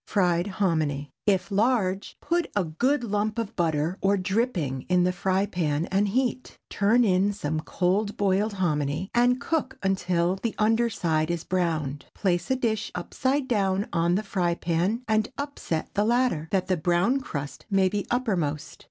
FRIED HOMINY. If large, put a good lump of butter or dripping in the frying pan, and heat. Turn in some cold boiled hominy, and cook until the under side is browned. Place a dish upside down on the frying pan and upset the latter, that the brown crust may be uppermost.